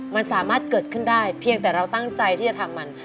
มันสามารถเกิดขึ้นได้เพียงแต่เราตั้งใจที่จะทำมัน